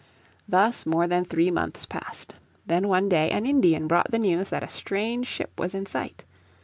Thus more than three months passed. Then one day an Indian brought the news that a strange ship was in sight.